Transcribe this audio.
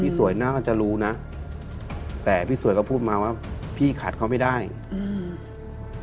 สวยน่าจะรู้นะแต่พี่สวยก็พูดมาว่าพี่ขัดเขาไม่ได้อืม